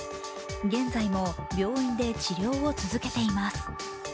現在も病院で治療を続けています。